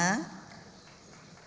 pengurus besar nahdlatul ulama